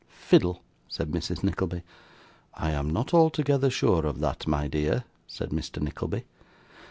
'Fiddle,' said Mrs. Nickleby. 'I am not altogether sure of that, my dear,' said Mr. Nickleby.